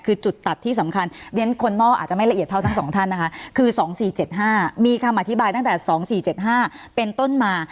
คือจุดตัดที่สำคัญเรียนคนนอกอาจจะไม่ละเอียดเท่าทั้งสองท่านนะคะคือ๒๔๗๕มีคำอธิบายตั้งแต่๒๔๗๕เป็นต้นมา